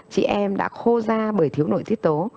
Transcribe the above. chị em đã khô ra bởi thiếu nội tiết tố